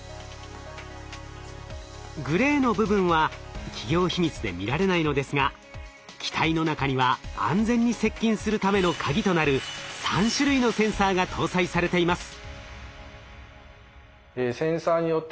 グレーの部分は企業秘密で見られないのですが機体の中には安全に接近するためのカギとなる３種類のセンサーが搭載されています。